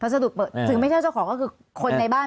ถึงไม่ใช่เจ้าของก็คือคนในบ้าน